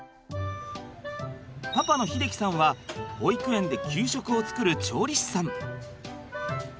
パパの秀輝さんは保育園で給食を作る調理師さん。